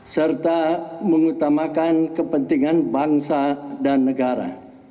serta mengutamakan kepentingan bangsa dan negara